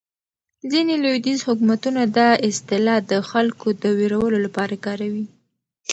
ځینې لویدیځ حکومتونه دا اصطلاح د خلکو د وېرولو لپاره کاروي.